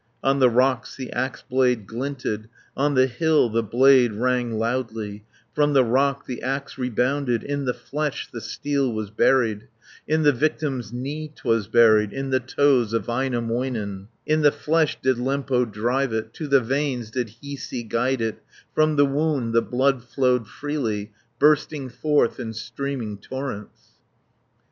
On the rocks the axe blade glinted, On the hill the blade rang loudly, From the rock the axe rebounded, In the flesh the steel was buried, In the victim's knee 'twas buried, In the toes of Väinämöinen, 160 In the flesh did Lempo drive it, To the veins did Hiisi guide it, From the wound the blood flowed freely, Bursting forth in streaming torrents.